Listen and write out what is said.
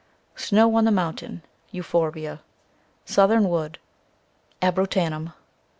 Snow on the Mountain, cc Euphorbia. , Southern Wood, cc Abrotanum.